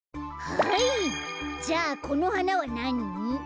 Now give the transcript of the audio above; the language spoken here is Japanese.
はいじゃあこのはなはなに？